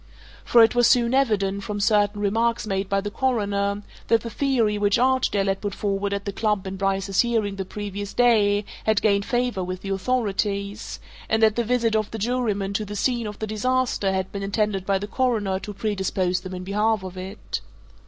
For it was soon evident, from certain remarks made by the Coroner, that the theory which Archdale had put forward at the club in Bryce's hearing the previous day had gained favour with the authorities, and that the visit of the jurymen to the scene of the disaster had been intended by the Coroner to predispose them in behalf of it.